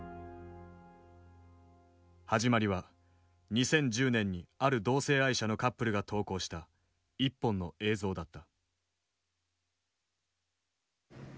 始まりは２０１０年にある同性愛者のカップルが投稿した一本の映像だった。